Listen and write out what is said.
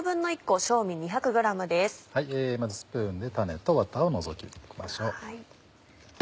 まずスプーンで種とワタを除きましょう。